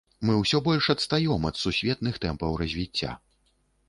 Мы ўсё больш адстаём ад сусветных тэмпаў развіцця.